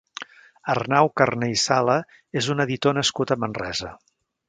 Arnau Carné i Sala és un editor nascut a Manresa.